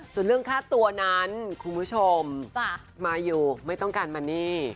ส่วนเรื่องค่าตัวนั้นคุณผู้ชมมาอยู่ไม่ต้องการมาหนี้